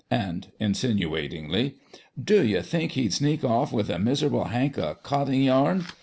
And" (insinuatingly) " do you think he'd sneak off with a miserable hank o' cotting yarn